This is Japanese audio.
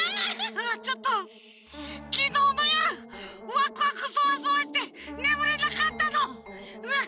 ちょっときのうのよるワクワクソワソワしてねむれなかったの！